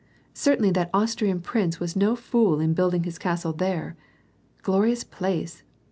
*" Certainly that Austrian prince was no fool in building his castle there. Glorious place